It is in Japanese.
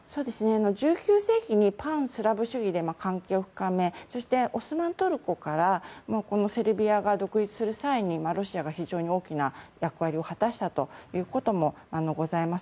１９世紀に反スラブ主義で関係を深めそして、オスマントルコからセルビアが独立した際に独立する際にロシアが非常に大きな役割を果たしたということもございます。